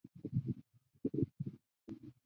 这是一份依长度排列的瑞典桥梁的列表